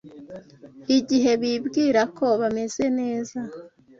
igihe bibwira ko bameze neza